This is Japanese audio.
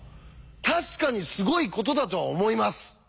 確かにすごいことだとは思います。